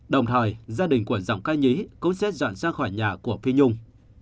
đồng thời gia đình của giọng ca nhí cũng sẽ dọn ra khỏi nhà của phi nhung